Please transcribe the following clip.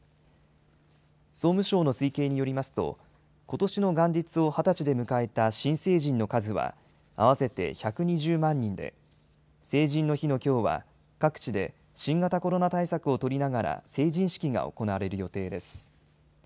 総務省の推計によりますと、ことしの元日を２０歳で迎えた新成人の数は合わせて１２０万人で、成人の日のきょうは、各地で新型コロナ対策を取りながら成人式が行われる予定です。